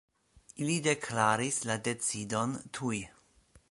Ili deklaris la decidon tuj.